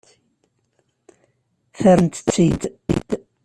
Terramt-asent-tt-id.